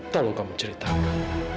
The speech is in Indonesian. tolong kamu ceritakan